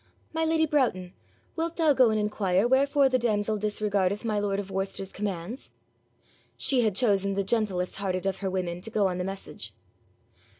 'My lady Broughton, wilt thou go and inquire wherefore the damsel disregardeth my lord of Worcester's commands?' She had chosen the gentlest hearted of her women to go on the message.